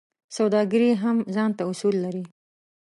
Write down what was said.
سوداګري هم ځانته اصول لري.